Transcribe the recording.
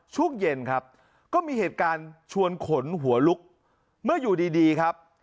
ช่วงเย็นครับก็มีเหตุการณ์ชวนขนหัวลุกเมื่ออยู่ดีครับ